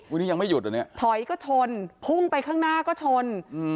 วันนี้ยังไม่หยุดอันนี้ถอยก็ชนพุ่งไปข้างหน้าก็ชนอืม